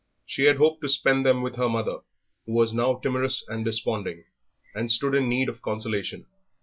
She had hoped to spend them with her mother, who was timorous and desponding, and stood in need of consolation.